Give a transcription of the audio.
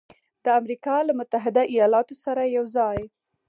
د امریکا له متحده ایالاتو سره یوځای